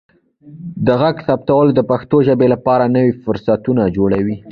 د غږ ثبتول د پښتو ژبې لپاره نوي فرصتونه جوړوي.